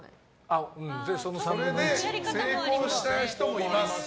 それで成功した人もいます。